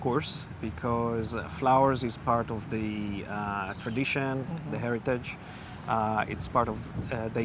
karena bunga adalah bagian dari tradisi harta bagian dari kehidupan hari hari